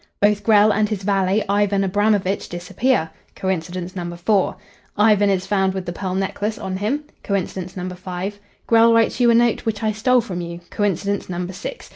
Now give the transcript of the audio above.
Both Grell and his valet, Ivan Abramovitch, disappear. Coincidence number four. Ivan is found with the pearl necklace on him. Coincidence number five. Grell writes you a note, which I stole from you. Coincidence number six.